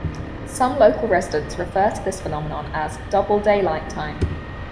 Some local residents refer to this phenomenon as "double daylight time".